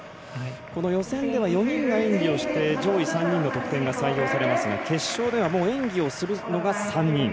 この予選では４人が演技をして上位３人の得点が採用されますが決勝では、演技をするのが３人。